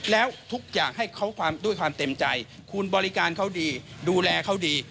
แล้วทุกอย่างให้เขาความด้วยความเต็มใจคุณบริการเขาดีดูแลเขาดี